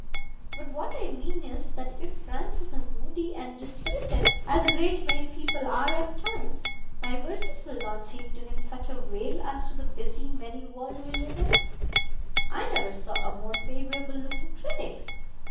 But what I mean is, that if Francis is moody and dispirited, as a great many people are at times, my verses will not seem to him such a wail as to the busy, merry world we live in. I never saw a more favourable looking critic."